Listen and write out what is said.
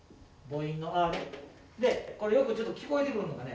でこれよくちょっと聞こえてくるのがね